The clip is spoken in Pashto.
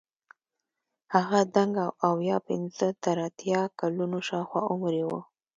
هغه دنګ او اویا پنځه تر اتیا کلونو شاوخوا عمر یې وو.